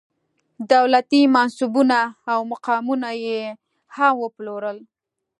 دولتي منصبونه او مقامونه یې هم وپلورل.